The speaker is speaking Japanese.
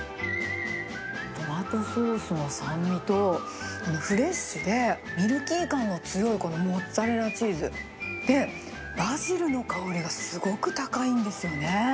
トマトソースの酸味と、フレッシュでミルキー感が強いこのモッツァレラチーズ、で、バジルの香りがすごく高いんですよね。